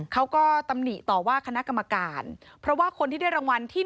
ตำหนิต่อว่าคณะกรรมการเพราะว่าคนที่ได้รางวัลที่๑